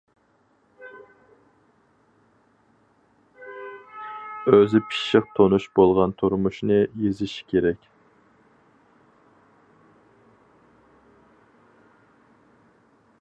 ئۆزى پىششىق تونۇش بولغان تۇرمۇشنى يېزىش كېرەك.